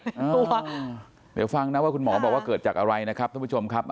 เดี๋ยวฟังนะว่าคุณหมอบอกว่าเกิดจากอะไรนะครับท่านผู้ชมครับ